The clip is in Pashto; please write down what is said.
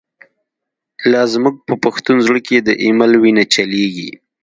لاز موږ په پښتون زړه کی، ”دایمل” وینه چلیږی